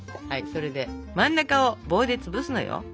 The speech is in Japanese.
それで真ん中を棒でつぶすのよ。